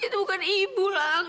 itu bukan ibu lah